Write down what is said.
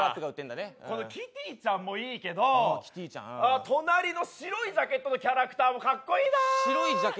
このキティちゃんもいいけど、隣の白いジャケットのキャラクターもかっこいいな。